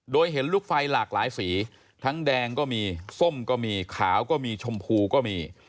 โดยเห็นลูกไฟหลากหลายสีทั้งแดงก็มีส้มก็มีขาวก็มีชมพูก็มี